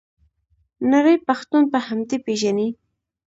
نړۍ پښتون په همدې پیژني.